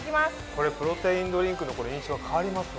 これプロテインドリンクの印象が変わりますわ。